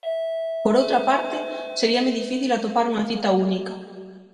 Por outra parte, seríame difícil atopar unha cita única.